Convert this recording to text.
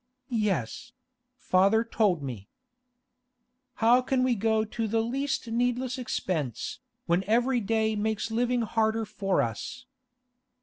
'Yes; father told me.' 'How can we go to the least needless expense, when every day makes living harder for us?